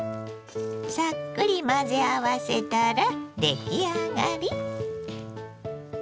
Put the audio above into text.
さっくり混ぜ合わせたら出来上がり。